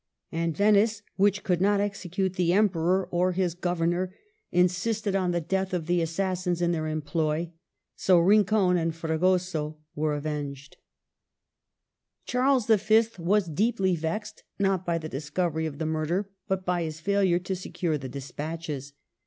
And Venice, which could not execute the Em peror or his governor, insisted on the death of the assassins in their employ. So Rincon and Fregoso were avenged. 192 MARGARET OF ANGOULEME. Charles V. was deeply vexed, not by the dis covery of the murder, but by his failure to secure the despatches.